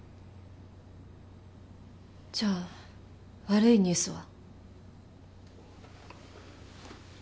じゃあ悪いニュースは？